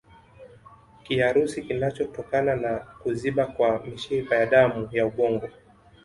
Kiharusi kinachotokana na kuziba kwa mishipa ya damu ya ubongo